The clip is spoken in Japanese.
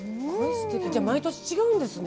じゃあ毎年違うんですね。